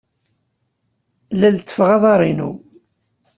La lettfeɣ aḍar-inu.